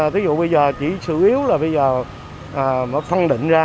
ví dụ bây giờ chỉ sự yếu là bây giờ phân định ra